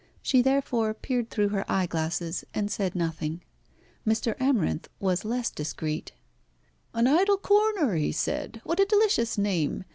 She therefore peered through her eyeglasses and said nothing. Mr. Amarinth was less discreet. "An idle corner," he said. "What a delicious name.